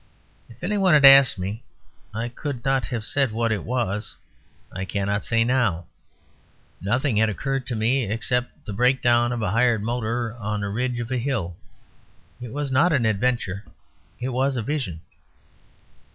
If any one had asked me I could not have said what it was; I cannot say now. Nothing had occurred to me; except the breakdown of a hired motor on the ridge of a hill. It was not an adventure; it was a vision.